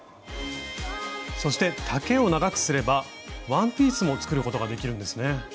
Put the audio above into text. そして丈を長くすればワンピースも作ることができるんですね。